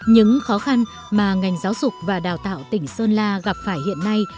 những khó khăn mà ngành giáo dục và đào tạo tỉnh sơn la gặp phải hiện nay